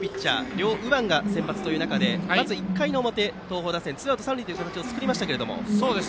両右腕が先発という中でまず１回の表、東邦打線はツーアウト三塁という形を作りましたが。